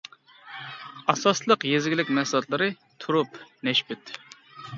ئاساسلىق يېزا ئىگىلىك مەھسۇلاتلىرى تۇرۇپ، نەشپۈت.